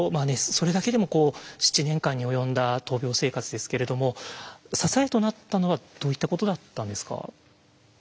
それだけでもこう７年間に及んだ闘病生活ですけれども支えとなったのはどういったことだったんですか？